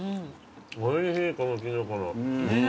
おいしいこのキノコの。